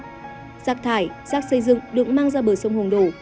giác thải giác xây dựng được mang ra bờ sông hồng đổ